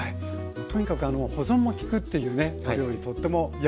とにかく保存も利くっていうねお料理とっても役に立ちそうです。